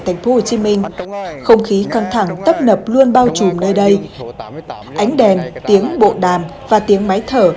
tp hcm không khí căng thẳng tấp nập luôn bao trùm nơi đây ánh đèn tiếng bộ đàm và tiếng máy thở